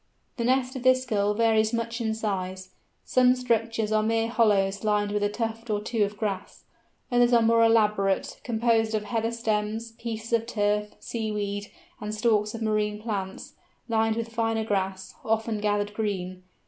The nest of this Gull varies much in size; some structures are mere hollows lined with a tuft or two of grass; others are more elaborate, composed of heather stems, pieces of turf, sea weed, and stalks of marine plants, lined with finer grass, often gathered green.